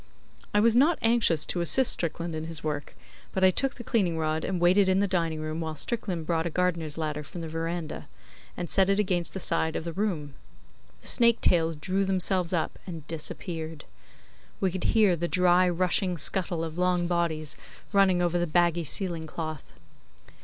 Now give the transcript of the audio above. I was not anxious to assist Strickland in his work, but I took the cleaning rod and waited in the dining room, while Strickland brought a gardener's ladder from the verandah, and set it against the side of the room. The snake tails drew themselves up and disappeared. We could hear the dry rushing scuttle of long bodies running over the baggy ceiling cloth.